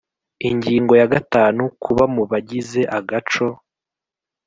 Ingingo ya gatanu Kuba mu bagize agaco